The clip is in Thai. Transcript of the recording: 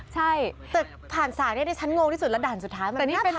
ใช่แต่ผ่านสากนี่ฉันงงที่สุดระดันสุดท้ายมันไม่น่าผ่านได้